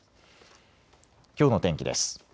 きょうの天気です。